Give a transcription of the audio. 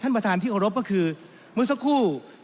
ท่านประธานก็เป็นสอสอมาหลายสมัย